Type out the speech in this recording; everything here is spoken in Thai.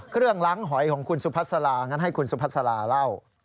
เครื่องล้างหอยของคุณสุพัสลางั้นให้คุณสุพัสลาเล่า